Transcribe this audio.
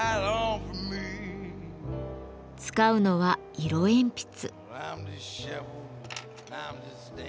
使うのは色鉛筆。